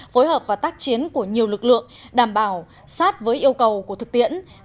phối hợp và tác chiến của nhiều lực lượng đảm bảo sát với yêu cầu của thực tiễn